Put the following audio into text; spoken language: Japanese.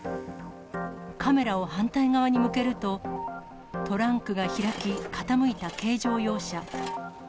カメラを反対側に向けると、トランクが開き傾いた軽乗用車。